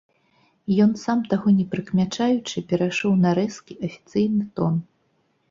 Ён, сам таго не прыкмячаючы, перайшоў на рэзкі, афіцыйны тон.